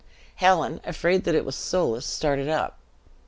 Helen, afraid that it was Soulis, started up.